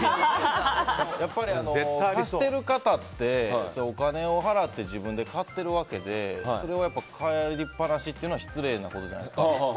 やっぱり、貸してる方ってお金を払って自分で買っているわけでそれを借りっぱなしというのは失礼なことじゃないですか。